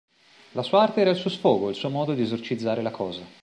La sua arte era il suo sfogo, il suo modo di esorcizzare la cosa.